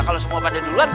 kalau semua pada duluan